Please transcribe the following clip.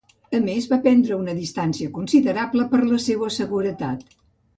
A més, va prendre una distància considerable per a la seua seguretat.